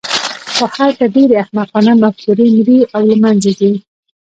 خو هلته ډېرې احمقانه مفکورې مري او له منځه ځي.